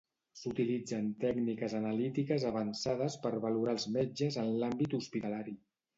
S'utilitzen tècniques analítiques avançades per valorar els metges en l"àmbit hospitalari.